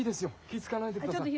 気つかわないでください。